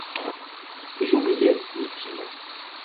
J'oubliais, dit-il.